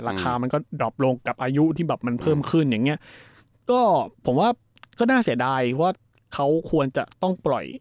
ราคามันก็ดอบลงกับอายุที่แบบมันเพิ่มขึ้นอย่างเงี้ยก็ผมว่าก็น่าเสียดายเพราะว่าเขาควรจะต้องปล่อย